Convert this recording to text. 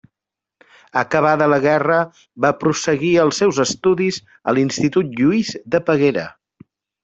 Acabada la guerra va prosseguir els seus estudis a l’Institut Lluís de Peguera.